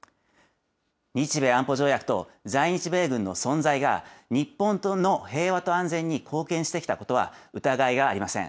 日米安保条約と在日米軍の存在が、日本の平和と安全に貢献してきたことは疑いがありません。